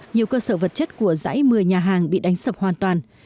nhiều cơ sở vật chất của giãi mưa nhà hàng bị đánh sập hoàn toàn